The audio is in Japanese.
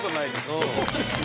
そうですね。